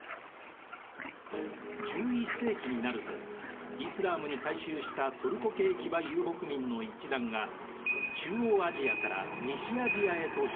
１１世紀になるとイスラームに改宗したトルコ系騎馬遊牧民の一団が中央アジアから西アジアへと進出。